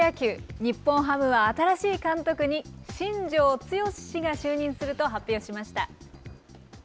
日本ハムは新しい監督に新庄剛志氏が就任すると発表しました。